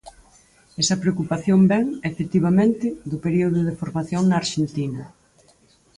Esa preocupación vén, efectivamente, do período de formación na Arxentina.